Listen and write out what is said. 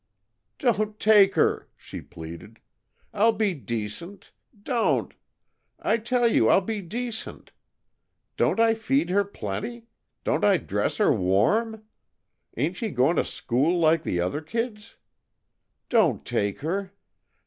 "Don't take her!" she pleaded. "I'll be decent don't! I tell you I'll be decent. Don't I feed her plenty? Don't I dress her warm? Ain't she going to school like the other kids? Don't take her.